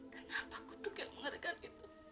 kenapa kutuk yang mengerikan itu